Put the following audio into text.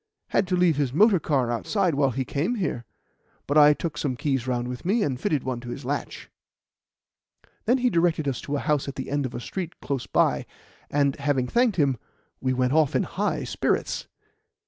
Had to leave his motor car outside while he came here. But I took some keys round with me, and fitted one to his latch." He then directed us to a house at the end of a street close by, and, having thanked him, we went off in high spirits.